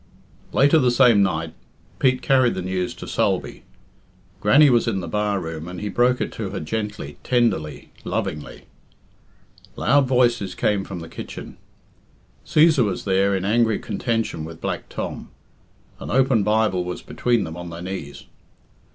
Later the same night Pete carried the news to Sulby. Grannie was in the bar room, and he broke it to her gently, tenderly, lovingly. Loud voices came from the kitchen. Cæsar was there in angry contention with Black Tom. An open Bible was between them on their knees.